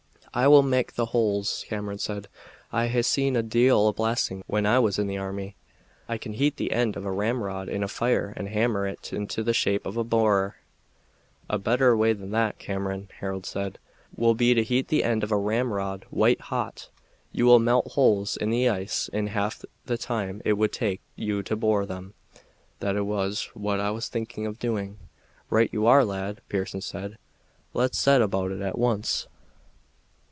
"I will mak' the holes," Cameron said. "I hae seen a deal of blasting when I was in the army. I can heat the end of a ramrod in a fire and hammer it into the shape of a borer." "A better way than that, Cameron," Harold said, "will be to heat the end of a ramrod white hot. You will melt holes in the ice in half the time it would take you to bore them. That was what I was thinking of doing." "Right you are, lad!" Pearson said. "Let's set about it at once."